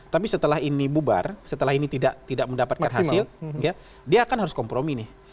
tapi setelah ini bubar setelah ini tidak mendapatkan hasil dia akan harus kompromi nih